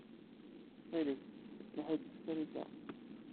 Ttxil-k, lhu-d s tsarut-a.